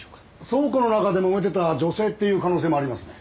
倉庫の中でもめてた女性っていう可能性もありますね。